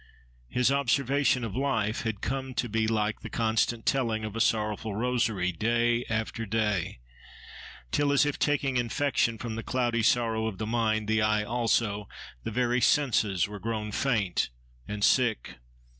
"His observation of life" had come to be like the constant telling of a sorrowful rosary, day after day; till, as if taking infection from the cloudy sorrow of the mind, the eye also, the very senses, were grown faint and sick.